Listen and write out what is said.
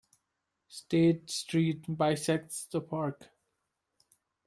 State Street bisects the park.